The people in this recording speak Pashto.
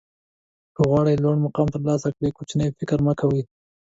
که غواړئ لوړ مقام ترلاسه کړئ کوچنی فکر مه کوئ.